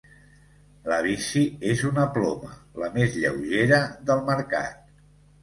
La bici és una ploma, la més lleugera del mercat.